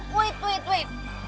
tunggu tunggu tunggu